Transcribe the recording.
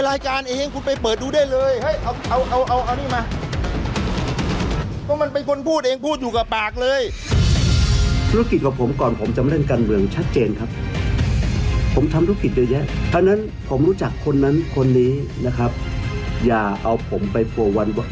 รายการเองคุณไปเปิดดูได้เลยเฮ้ยเอาเอาเอาเอาเอานี่มา